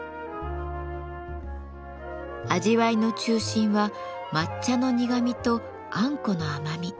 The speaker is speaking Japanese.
味わいの中心は抹茶の苦みとあんこの甘み。